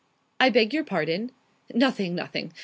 "I beg your pardon?" "Nothing, nothing.